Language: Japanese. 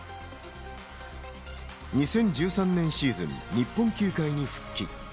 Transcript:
２０１３年シーズン、日本球界に復帰。